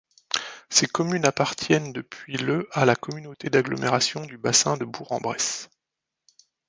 Ces communes appartiennent depuis le à la communauté d'agglomération du Bassin de Bourg-en-Bresse.